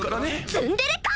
ツンデレか！